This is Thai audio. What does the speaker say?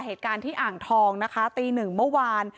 เหตุการณ์ที่อ่างทองนะคะตีหนึ่งเมื่อวาน